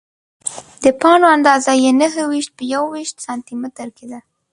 د پاڼو اندازه یې نهه ویشت په یوویشت سانتي متره کې ده.